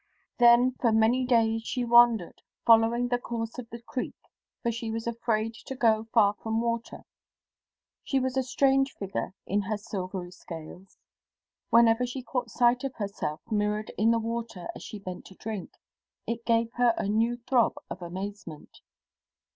Then for many days she wandered, following the course of the creek, for she was afraid to go far from water. She was a strange figure in her silvery scales. Whenever she caught sight of herself, mirrored in the water as she bent to drink, it gave her a new throb of amazement.